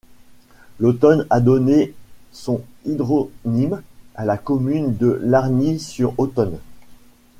L'Automne a donné son hydronyme à la commune de Largny-sur-Automne.